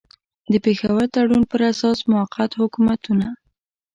د پېښور تړون پر اساس موقت حکومتونه.